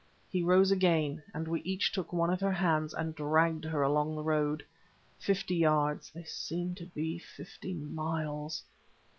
He rose again, and we each took one of her hands and dragged her along the road. Fifty yards—they seemed to be fifty miles.